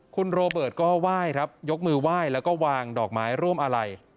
คุณโรเบิร์ตก็ไหว้ครับยกมือไหว้แล้วก็วางดอกไม้ร่วมอะไร